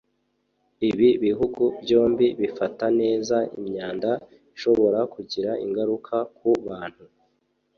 Ibi bihugu byombi bifata neza imyanda ishobora kugira ingaruka ku bantu